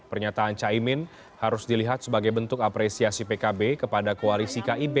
pernyataan caimin harus dilihat sebagai bentuk apresiasi pkb kepada koalisi kib